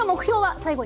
最後に。